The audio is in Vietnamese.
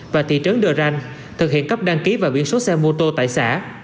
và thị trấn đờ ranh thực hiện cấp đăng ký và biển số xe mô tô tại xã